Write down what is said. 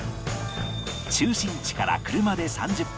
中心地から車で３０分